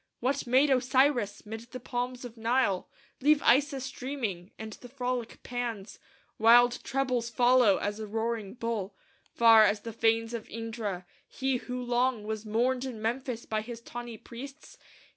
What made Osiris, 'mid the palms of Nile, Leave Isis dreaming, and the frolic Pan's Wild trebles follow as a roaring bull, Far as the fanes of Indra; he who long Was mourned in Memphis by his tawny priests?